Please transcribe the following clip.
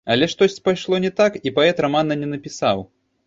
Але штосьці пайшло не так, і паэт рамана не напісаў.